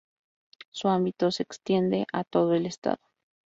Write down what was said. Su ámbito se extiende a todo el Estado.